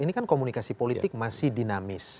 ini kan komunikasi politik masih dinamis